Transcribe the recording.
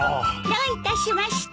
どういたしまして。